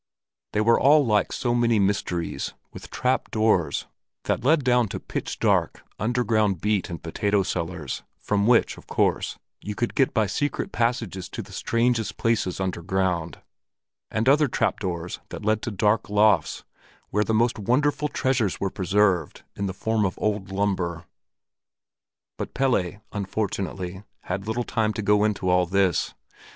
They were all like so many mysteries, with trap doors that led down to pitch dark, underground beet and potato cellars, from which, of course, you could get by secret passages to the strangest places underground, and other trap doors that led up to dark lofts, where the most wonderful treasures were preserved in the form of old lumber. But Pelle unfortunately had little time to go into all this.